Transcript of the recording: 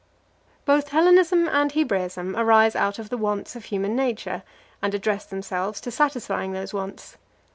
+ Both Hellenism and Hebraism arise out of the wants of human nature, and address themselves to satisfying those wants.